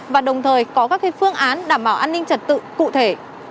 và đồng thời có các phương án đảm bảo an ninh trật tự cụ thể